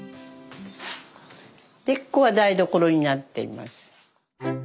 でここが台所になっています。